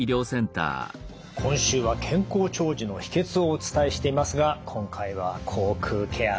今週は「健康長寿の秘けつ」をお伝えしていますが今回は口腔ケア